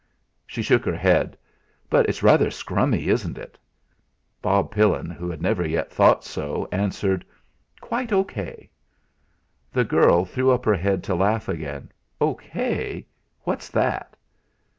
She shook her head. "But it's rather scrummy, isn't it?" Bob Pillin, who had never yet thought so answered: "Quite O.K." The girl threw up her head to laugh again. "O.K.? What's that?"